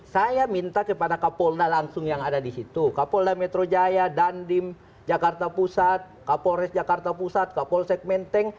saya minta kepada kapolda langsung yang ada di situ kapolda metro jaya dandim jakarta pusat kapolres jakarta pusat kapolsek menteng